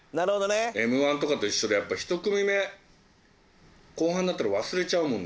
『Ｍ−１』とかと一緒でやっぱ１組目後半になったら忘れちゃうもんね。